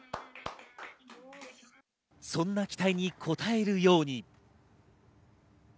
そんな期待に応えるように。